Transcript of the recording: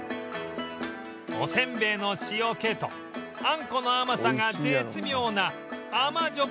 おせんべいの塩気とあんこの甘さが絶妙な甘じょ